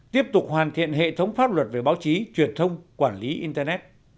tiếp tục hoàn thiện hệ thống pháp luật về báo chí truyền thông quản lý internet